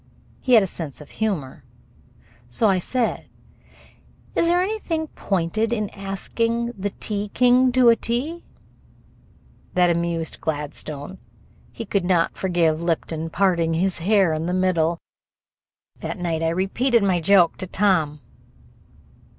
He had a sense of humor, so I said: "Is there anything pointed in asking the tea king to a tea?" That amused Gladstone. He could not forgive Lipton parting his hair in the middle. That night I repeated my joke to Tom.